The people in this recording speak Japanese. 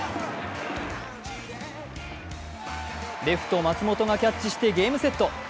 レフト・松本がキャッチしてゲームセット。